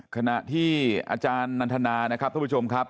ขณะที่อาจารย์นันทนานะครับท่านผู้ชมครับ